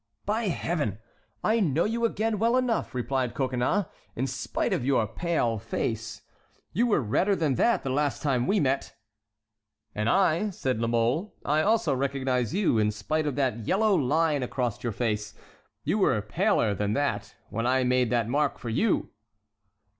"By Heaven! I know you again well enough," replied Coconnas, "in spite of your pale face. You were redder than that the last time we met!" "And I," said La Mole, "I also recognize you, in spite of that yellow line across your face. You were paler than that when I made that mark for you!"